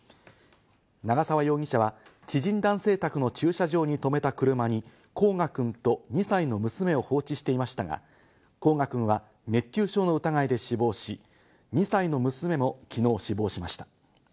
長沢容疑者は知人男性宅の駐車場にとめた車に煌翔くんと２歳の娘を放置していましたが、煌翔くんは熱中症の疑いで死亡し、２歳の娘も昨日死亡しました。